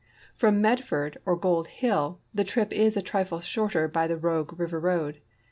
From Medford or Gold Hill, the trip is a trifle shorter by the Rogue River road.